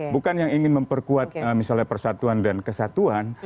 bukan yang ingin memperkuat misalnya persatuan dan kesatuan